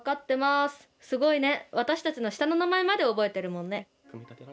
すごいね、私たちの下の名前まで覚えてるもんね。